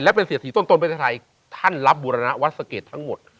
และเป็นเศรษฐีต้นเมืองไทยท่านรับบูรณะวัดศักดิ์เกรดทั้งหมด